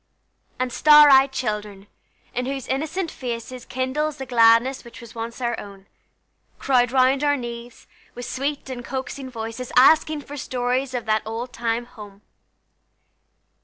And star eyed children, in whose innocent faces Kindles the gladness which was once our own, Crowd round our knees, with sweet and coaxing voices, Asking for stories of that old time home.